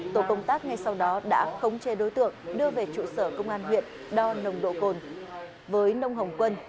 tổ công tác ngay sau đó đã khống chế đối tượng đưa về trụ sở công an huyện đo nồng độ cồn với nông hồng quân